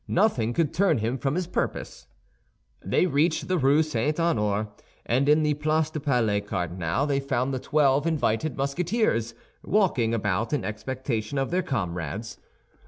Nothing could turn him from his purpose. They reached the Rue St. Honoré, and in the Place du Palais Cardinal they found the twelve invited Musketeers, walking about in expectation of their comrades.